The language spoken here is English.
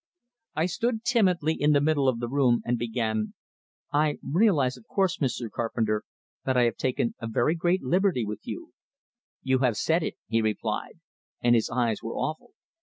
I stood timidly in the middle of the room, and began: "I realize, of course, Mr. Carpenter, that I have taken a very great liberty with you " "You have said it," he replied; and his eyes were awful.